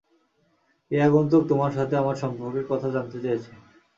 এই আগন্তুক তোমার সাথে আমার সম্পর্কের কথা জানতে চেয়েছে।